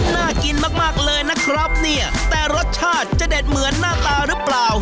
น่ากินมากมากเลยนะครับเนี่ยแต่รสชาติจะเด็ดเหมือนหน้าตาหรือเปล่า